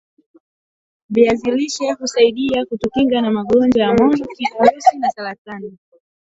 viazi lishe husaidia kutukinga na magonjwa ya moyo kiharusi na saratani